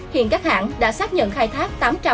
hiện các hãng đã xác nhận khai thác